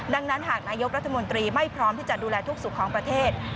ดังนั้นหากนายกรัฐมนตรีไม่พร้อมที่จะดูแลทุกสุขของประเทศ